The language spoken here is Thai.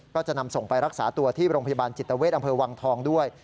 ก็จะนำส่งไปรักษาตัวที่โรงพยาบาลจิตเวทอำเภอวังทองด้วย